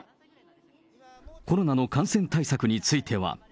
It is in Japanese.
コロナの感染対策については。